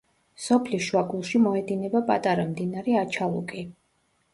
სოფლის შუაგულში მოედინება პატარა მდინარე აჩალუკი.